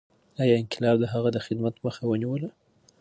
ایا انقلاب د هغه د خدمت مخه ونیوله؟